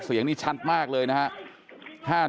เสียงนี้ชัดมากเลยนะครับ